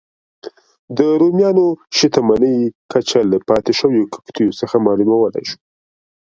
د رومیانو شتمنۍ کچه له پاتې شویو کښتیو څخه معلومولای شو